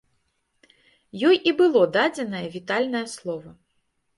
Ёй і было дадзенае вітальнае слова.